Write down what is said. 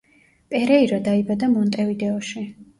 პერეირა დაიბადა მონტევიდეოში.